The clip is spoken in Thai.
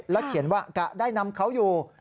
เขียนว่ากะได้นำเขาอยู่